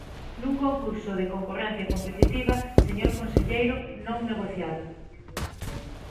Nun concurso de concorrencia competitiva, señor conselleiro, non negociado.